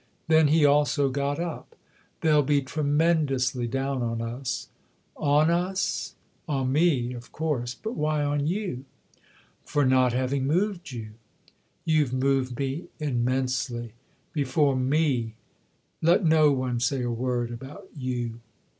Then he also got up. "They'll be tremendously down on us." " On ' us '? On me, of course but why on you ?" 1 82 THE OTHER HOUSE " For not having moved you." " You've moved me immensely. Before me let no one say a word about you